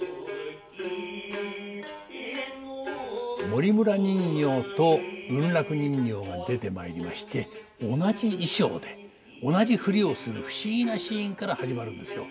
森村人形と文楽人形が出てまいりまして同じ衣裳で同じ振りをする不思議なシーンから始まるんですよ。